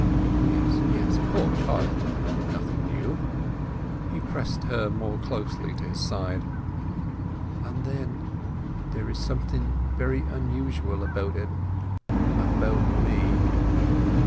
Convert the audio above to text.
"Yes, yes. Poor child! Nothing new." He pressed her more closely to his side. "And then—there is something very unusual about it—about me.